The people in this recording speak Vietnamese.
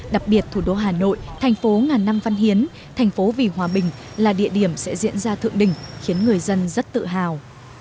đặc biệt thủ đô hà nội thành phố ngàn năm văn hiến thành phố vì hòa bình là địa điểm sẽ diễn ra thượng đỉnh khiến người dân rất tự hào